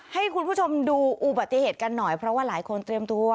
ให้คุณผู้ชมดูอุบัติเหตุกันหน่อยเพราะว่าหลายคนเตรียมตัว